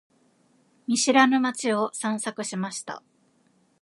見知らぬ街を散策しました。